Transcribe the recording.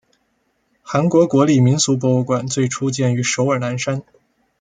韩国国立民俗博物馆最初建于首尔南山。